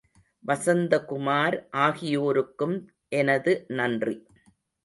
வசந்த குமார் ஆகியோருக்கும் எனது நன்றி.